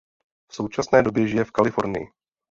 V současné době žije v Kalifornii.